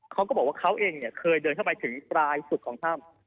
เขาก็บอกว่าเขาเองเนี่ยเคยเดินเข้าไปถึงปลายสุดของถ้ำ